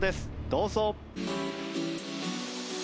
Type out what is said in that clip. どうぞ。